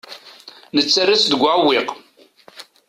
Nettarra-tt deg uɛewwiq.